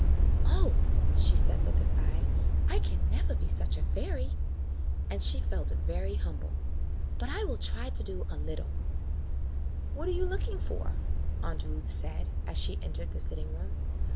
"Oh!" she said, with a sigh, "I can never be such a fairy;" and she felt very humble. "But I will try to do a little." [ 41 ] ^AN EASTER LILY ".What are you looking for?" Aunt Ruth said, as she entered the sitting room.